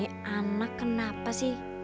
nih anak kenapa sih